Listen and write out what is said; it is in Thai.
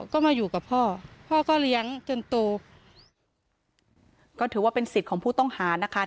ก็มาอยู่กับพ่อพ่อก็เลี้ยงจนโตก็ถือว่าเป็นสิทธิ์ของผู้ต้องหานะคะ